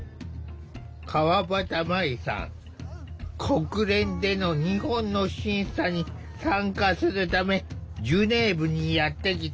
国連での日本の審査に参加するためジュネーブにやって来た。